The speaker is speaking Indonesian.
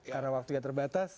karena waktu yang terbatas